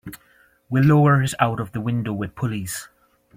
We'll lower it out of the window with pulleys.